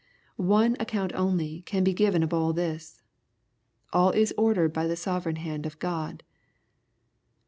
One account only can be given of all this. All is ordered by the sovereign hand of God.